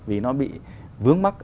vì nó bị vướng mắc